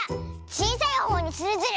ちいさいほうにするズル！